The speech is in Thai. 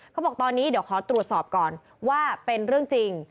เขาบอกตอนนี้เดี๋ยวขอตรวจสอบก่อนว่าเป็นเรื่องจริง